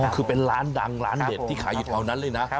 อ๋อคือเป็นร้านดังร้านเด็ดที่ขายอยู่เท่านั้นเลยนะครับ